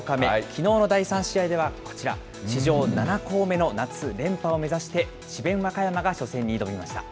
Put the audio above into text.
きのうの第３試合ではこちら、史上７校目の夏連覇を目指して、智弁和歌山が初戦に挑みました。